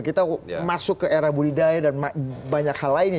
kita masuk ke era budidaya dan banyak hal lainnya